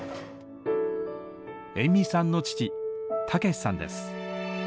延味さんの父武さんです。